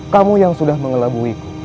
kamu yang sudah mengelabuiku